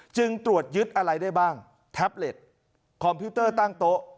ตรวจยึดอะไรได้บ้างแท็บเล็ตคอมพิวเตอร์ตั้งโต๊ะ